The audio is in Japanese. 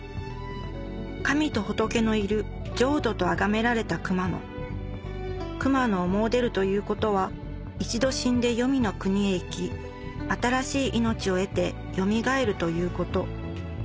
神と仏のいる浄土とあがめられた熊野熊野を詣でるということは一度死んで黄泉の国へ行き新しい命を得てよみがえるということ